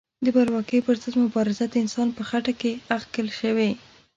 د بلواکۍ پر ضد مبارزه د انسان په خټه کې اغږل شوې.